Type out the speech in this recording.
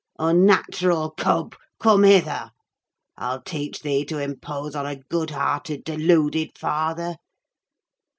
Unnatural cub, come hither! I'll teach thee to impose on a good hearted, deluded father.